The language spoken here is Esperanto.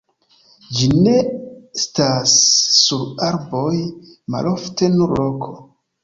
Ĝi nestas sur arboj, malofte sur roko.